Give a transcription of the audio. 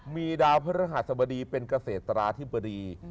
มีดาวพระรหัสสมดีเป็นเกษตราที่บรี